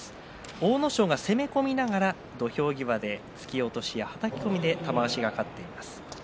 阿武咲が攻め込みながら土俵際で突き落としやはたき込みで玉鷲が勝っています。